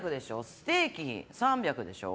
ステーキ３００でしょ。